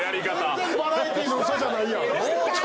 全然バラエティーの嘘じゃない！